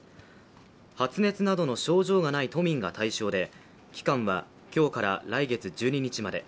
発熱などの症状がない都民が対象で期間は今日から来月１２日まで。